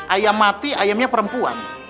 ayam mati ayam nya perempuan